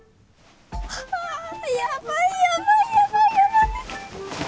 はぁヤバいヤバいヤバいヤバい！